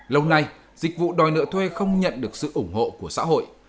lâu nay dịch vụ đòi nợ thuê không nhận được sự ủng hộ của xã hội